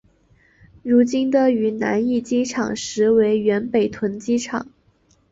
如今的云南驿机场实为原北屯机场。